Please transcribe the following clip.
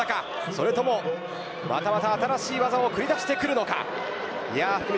それとも、また新しい技を繰り出してくるのか。